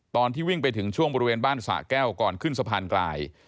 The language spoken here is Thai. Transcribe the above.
ตอนที่วิ่งไปถึงช่วงบริเวณบ้านสะแก้วก่อนขึ้นสะพานกลาย